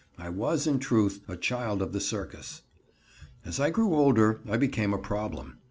I was, in truth, a child of the circus. As I grew older I became a problem.